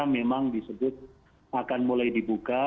memang disebut akan mulai dibuka